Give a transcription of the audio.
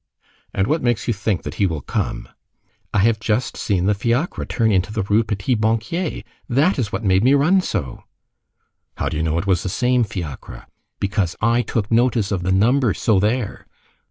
"And what makes you think that he will come?" "I have just seen the fiacre turn into the Rue Petit Banquier. That is what made me run so." "How do you know that it was the same fiacre?" "Because I took notice of the number, so there!"